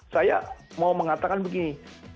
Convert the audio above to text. saya mau mengatakan begini